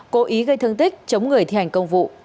cố ý gây thương tích chống người thi hành công vụ